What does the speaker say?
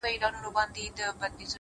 ارامتیا د درک له ژورتیا پیدا کېږي,